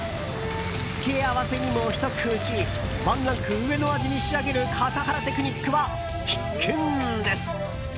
付け合わせにもひと工夫しワンランク上の味に仕上げる笠原テクニックは必見です。